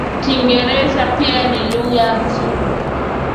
Kiingereza pia ni lugha nzuri